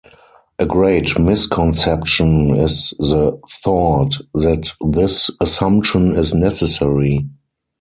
A great misconception is the thought that this assumption is necessary.